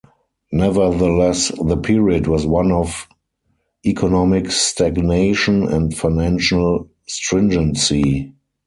Nevertheless, the period was one of economic stagnation and financial stringency.